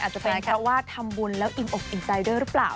อาจจะเป็นเพราะว่าทำบุญแล้วอิ่มอกอิ่มใจด้วยหรือเปล่า